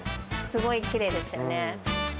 すごいきれいですよね。